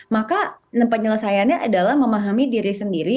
maka penyelesaiannya adalah memahami diri sendiri